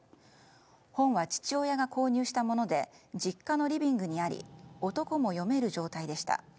本は父親が購入したもので実家のリビングにあり男も読める状態でした。